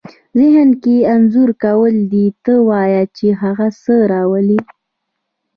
ذهن کې انځور کول دې ته وايي چې هغه څه راولئ.